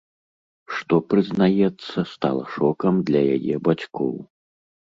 Што, прызнаецца, стала шокам для яе бацькоў.